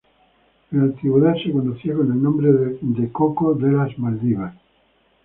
En la antigüedad se conocía con el nombre de coco de las Maldivas.